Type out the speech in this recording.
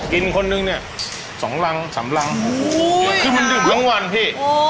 คนนึงเนี่ยสองรังสามรังคือมันดื่มทั้งวันพี่